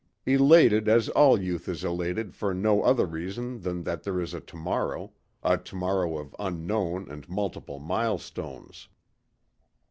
Elated as all youth is elated for no other reason than that there is a tomorrow, a tomorrow of unknown and multiple milestones.